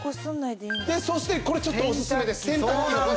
そしてこれちょっとお薦めです。